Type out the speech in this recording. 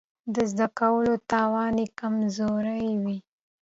د زده کولو توان يې کمزوری وي.